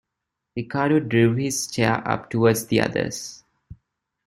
Ricardo drew his chair up towards the others.